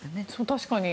確かに。